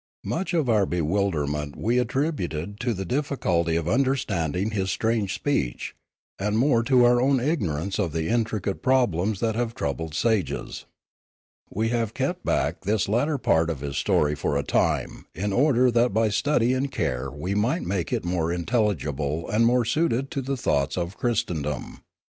Much of our bewilderment we attributed to the difficulty of understanding his strange speech, and more to our own ignorance of the intricate problems that have troubled sages. We have kept back this latter part of his story for a time in order that by study and care we might make it more intelligible and more suited to the thoughts of Christendom.